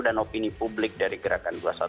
dan opini publik dari gerakan dua ratus dua belas